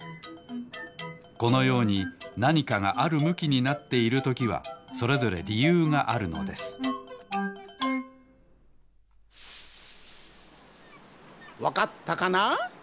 このようになにかがあるむきになっているときはそれぞれりゆうがあるのですわかったかな？